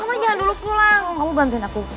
kamu jangan dulu pulang kamu bantuin aku